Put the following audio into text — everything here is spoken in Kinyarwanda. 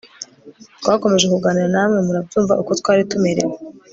twakomeje kuganira namwe murabyumva uko twari tumerewe